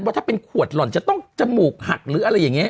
ว่าถ้าเป็นขวดหล่อนจะต้องจมูกหักหรืออะไรอย่างนี้